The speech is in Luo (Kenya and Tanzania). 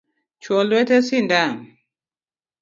Chwo lwete sindan